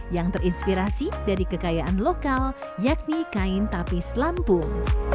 yang terinspirasi dari kekayaan lokal yakni kain tapis lampung